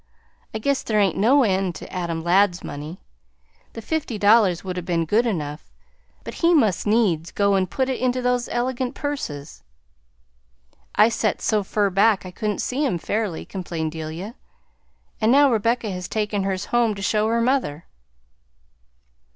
I guess there ain't no end to Adam Ladd's money. The fifty dollars would 'a' been good enough, but he must needs go and put it into those elegant purses." "I set so fur back I couldn't see 'em fairly," complained Delia, "and now Rebecca has taken hers home to show her mother."